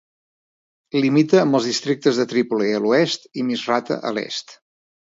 Limita amb els districtes de Trípoli a l'oest i Misrata a l'est.